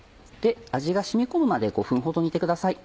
味が染み込むまで５分ほど煮てください。